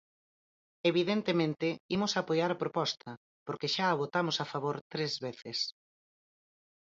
Evidentemente, imos apoiar a proposta, porque xa a votamos a favor tres veces.